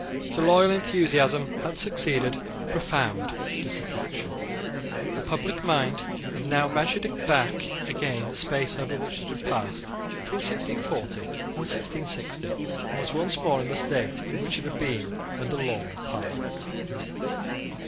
To loyal enthusiasm had succeeded profound disaffection. The public mind had now measured back again the space over which it had passed between 1640 and 1660, and was once more in the state in which it had been when the Long Parliament met.